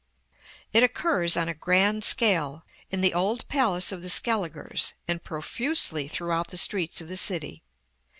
It occurs, on a grand scale, in the old palace of the Scaligers, and profusely throughout the streets of the city.